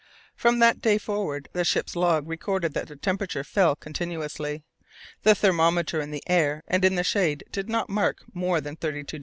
From that day forward the ship's log recorded that the temperature fell continuously. The thermometer in the air and in the shade did not mark more than 32° (0° C.)